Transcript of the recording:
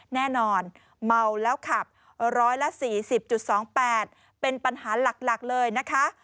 แน่นอนเมาแล้วขับ๑๔๐๒๘เป็นปัญหาหลักเลยนะคะ